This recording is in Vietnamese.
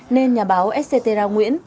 nên nhà báo etc nguyễn